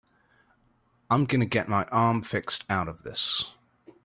I'm gonna get my arm fixed out of this.